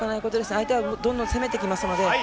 相手はどんどん攻めてきますので。